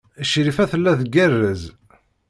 Crifa tella tgerrez.